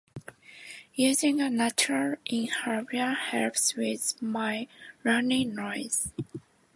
Using a natural inhaler helps with my runny nose